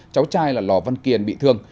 cháu trai là lò văn kiền bị thương